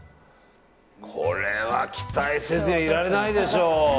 これは期待せずにいられないでしょ。